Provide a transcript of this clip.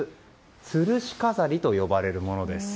つるし飾りと呼ばれるものです。